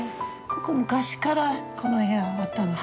ここ昔からこの部屋はあったの？